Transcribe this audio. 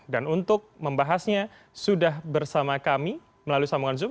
dan untuk membahasnya sudah bersama kami melalui sambungan zoom